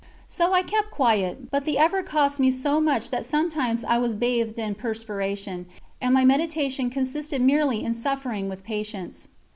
So I kept quiet, but the effort cost me so much that sometimes I was bathed in perspiration, and my meditation consisted merely in suffering with patience.